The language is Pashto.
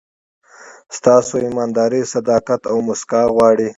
ستاسو ایمانداري، صداقت او موسکا غواړي.